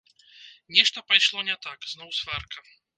Нешта пайшло не так, зноў сварка.